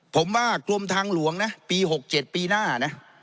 ผมว่ากรมทางหลวงนะปี๖๗ปีหน้านะ